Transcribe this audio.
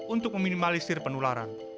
untuk meminimalisir penularan